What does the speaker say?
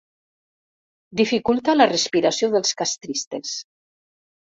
Dificulta la respiració dels castristes.